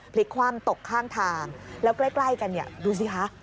พลิกความตกข้างทางแล้วใกล้กันดูสิค่ะ